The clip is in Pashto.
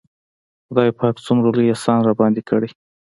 خداى پاک څومره لوى احسان راباندې کړى.